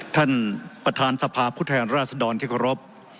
ท่านประธานสภาพผู้แทนราชดรที่เคารพ